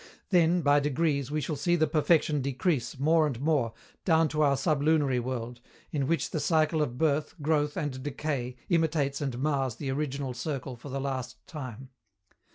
Then, by degrees, we shall see the perfection decrease, more and more, down to our sublunary world, in which the cycle of birth, growth and decay imitates and mars the original circle for the last time.